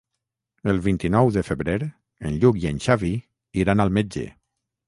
El vint-i-nou de febrer en Lluc i en Xavi iran al metge.